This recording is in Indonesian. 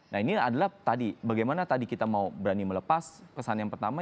nah ini adalah tadi bagaimana tadi kita mau berani melepas pesan yang pertama